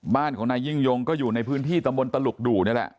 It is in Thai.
บ้านของนายยิ่งยงก็อยู่ในพื้นที่ตำบลตลุกดู่นี่แหละ